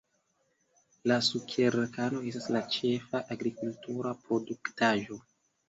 La sukerkano estas la ĉefa agrikultura produktaĵo.